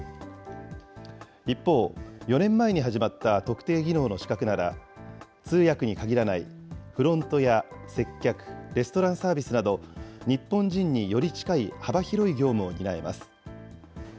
一方、４年前に始まった特定技能の資格なら、通訳に限らないフロントや接客、レストランサービスなど、日本人により近い幅広い業務を担えます。